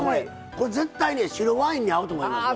これ、絶対に白ワインに合うと思いますね。